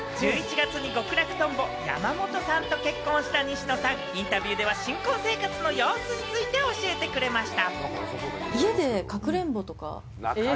昨年１１月に極楽とんぼ・山本さんと結婚した西野さん、インタビューでは新婚生活の様子について、教えてくれました。